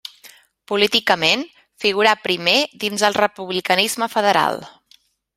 Políticament, figurà primer dins el republicanisme federal.